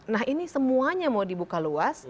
nah ini semuanya mau dibuka luas